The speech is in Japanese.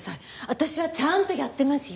私はちゃんとやってますよ。